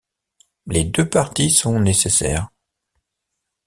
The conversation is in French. Les deux parties sont nécessaires.